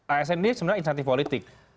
asn ini sebenarnya insentif politik